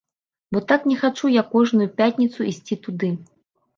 Бо так не хачу я кожную пятніцу ісці туды.